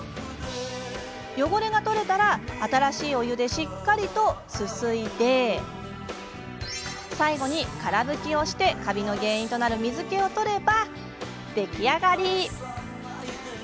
汚れが取れたら新しいお湯でしっかりすすいで最後に、から拭きしてカビの原因となる水けを取れば出来上がり。